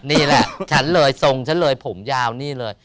นี่แหละฉันเลยทรงฉันเลยผมยาวนี่เลย